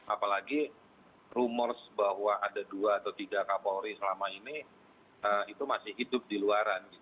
apalagi rumor bahwa ada dua atau tiga kapolri selama ini itu masih hidup di luaran